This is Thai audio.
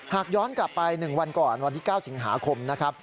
หากย้อนกลับไป๑วันก่อนวันที่๙สิงหาคมนะครับ